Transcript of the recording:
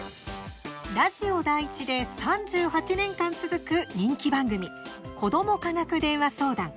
ラジオ第１で３８年間続く人気番組「子ども科学電話相談」。